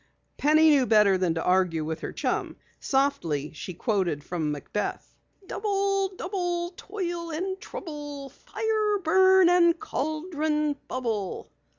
Penny knew better than to argue with her chum. Softly she quoted from "Macbeth": "'Double, double, toil and trouble Fire burn and cauldron bubble.'"